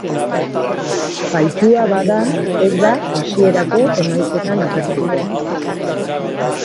Faltsua bada, ez da hasierako emaitzetan agertuko.